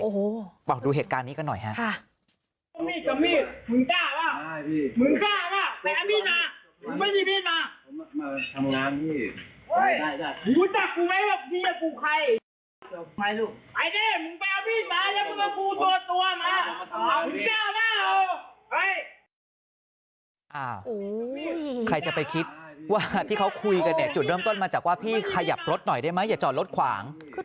โอ้โหดูเหตุการณ์นี้กันหน่อยฮะ